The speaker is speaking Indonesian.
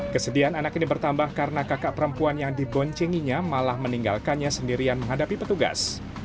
kesedihan anak ini bertambah karena kakak perempuan yang diboncenginya malah meninggalkannya sendirian menghadapi petugas